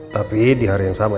tapi di hari yang sama